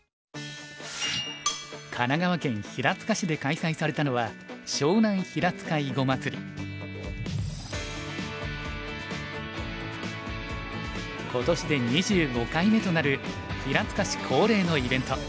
神奈川県平塚市で開催されたのは今年で２５回目となる平塚市恒例のイベント。